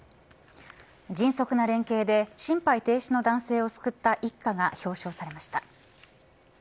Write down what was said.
迅速な連携で心肺停止の男性を救った一家が表彰されました。